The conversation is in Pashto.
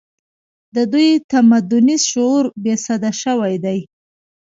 د دوی تمدني شعور بې سده شوی دی